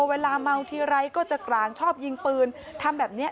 เวลาเมาทีไรก็จะกลางชอบยิงปืนทำแบบนี้